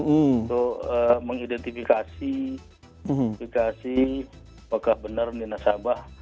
untuk mengidentifikasi apakah benar ini nasabah